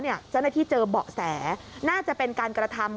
เจ้าหน้าที่เจอเบาะแสน่าจะเป็นการกระทำ